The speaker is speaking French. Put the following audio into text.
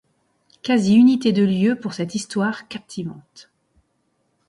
Quasi-unité de lieu pour cette histoire captivante.